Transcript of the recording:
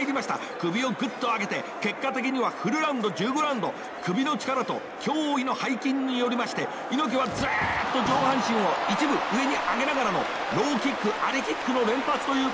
首をぐっと上げて結果的にはフルラウンド１５ラウンド首の力と驚異の背筋によりまして猪木はずうっと上半身を一部上にあげながらのローキックアリキックの連発ということになったわけであります。